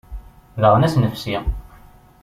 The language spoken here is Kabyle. Daɣen ad as-nefsi.